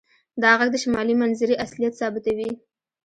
دا غږ د شمالي منظرې اصلیت ثابتوي